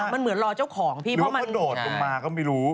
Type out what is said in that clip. ลักษณะมันเหมือนรอเจ้าของพี่เพราะว่าเขาโดดลงมาก็ไม่รู้